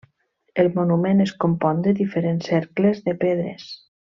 El monument es compon de diferents cercles de pedres.